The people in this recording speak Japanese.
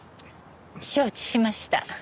承知しました。